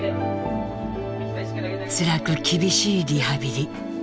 つらく厳しいリハビリ。